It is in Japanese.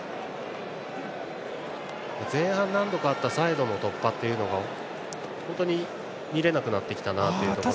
前半、何度かあったサイドの突破というのが本当に見られなくなったなと。